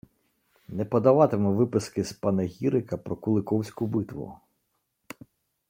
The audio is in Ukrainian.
Не подаватиму виписки з панегірика про Куликовську битву